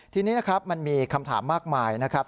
ทีนี้นะครับมันมีคำถามมากมายนะครับ